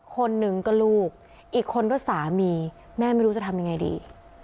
คนหนึ่งก็ลูกอีกคนก็สามีแม่ไม่รู้จะทำยังไงดี